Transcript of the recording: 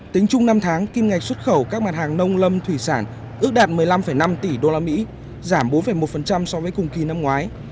tính chung năm tháng kim ngạch xuất khẩu các mặt hàng nông lâm thủy sản ước đạt một mươi năm năm tỷ usd giảm bốn một so với cùng kỳ năm ngoái